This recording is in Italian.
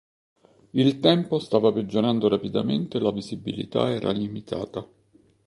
Il tempo stava peggiorando rapidamente e la visibilità era limitata.